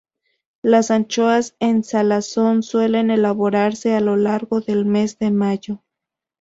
Las anchoas en salazón suelen elaborarse a lo largo del mes de mayo.